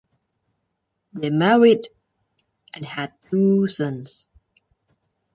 They married and had two sons.